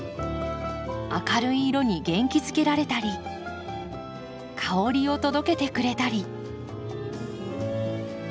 明るい色に元気づけられたり香りを届けてくれたり。